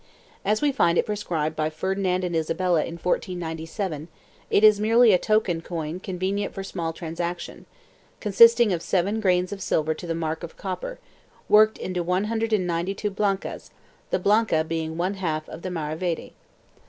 As we find it prescribed by Ferdinand and Isabella in 1497, it is merely a token coin convenient for small transactions, consisting of 7 grains of silver to the marc of copper, worked into 192 Uancas, the blanca being one half of the maravedi.